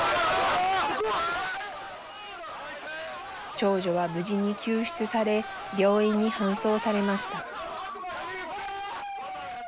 少女は無事に救出され病院に搬送されました。